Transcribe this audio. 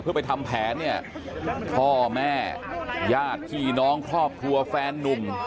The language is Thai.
เพื่อไปทำแผนเนี่ยพ่อแม่ญาติพี่น้องครอบครัวแฟนนุ่ม